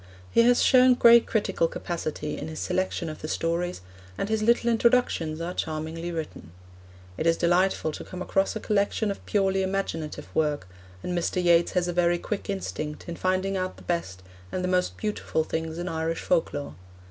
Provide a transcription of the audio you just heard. He has shown great critical capacity in his selection of the stories, and his little introductions are charmingly written. It is delightful to come across a collection of purely imaginative work, and Mr. Yeats has a very quick instinct in finding out the best and the most beautiful things in Irish folklore.